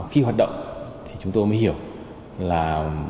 khi hoạt động thì chúng tôi mới hiểu là